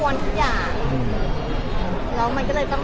ไม่เข้าใจกัน